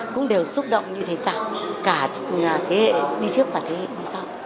cũng đều xúc động như thế cả thế hệ đi trước cả thế hệ như sau